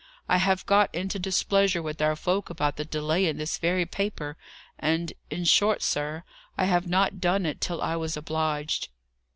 I have got into displeasure with our folk about the delay in this very paper, and in short, sir, I have not done it, till I was obliged."